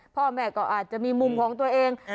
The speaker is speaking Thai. พ่อแม่ก็อาจจะมีมุมของตัวเอง